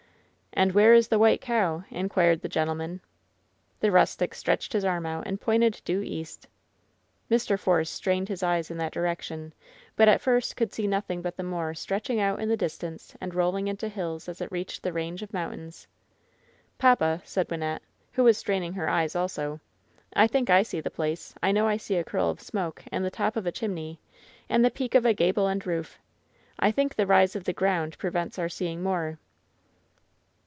'' "And where is the White Cow ?" inquired the gentle man. The rustic stretched his arm out and pointed due east. Mr. Force strained his eyes in that direction, but at first could see nothing but the moor stretching out in the distance and rolling into hills as it reached the range of mountains. "Papa," said Wynnette, who was straining her eyes also, "I think I see the place. I know I see a curl of smoke and the top of a chimney, and the peak of a ^able end roof. I think the rise of the ground prevents our seeing more."